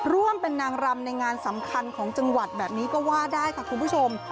ร่วมเป็นนางรำในงานสำคัญของจังหวัดแบบนี้ก็ว่าได้ค่ะคุณผู้ชม